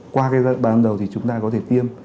qua cái ba tháng đầu thì chúng ta có thể tiêm